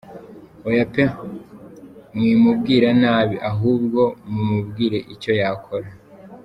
Oya pe mwimubwira nabi ahubwo mumubwire icyo yakora.